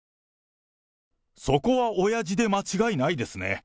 そこは親父で間違いないですね。